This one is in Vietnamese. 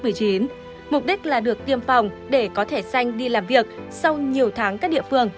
mục đích là được tiêm phòng để có thể xanh đi làm việc sau nhiều tháng các địa phương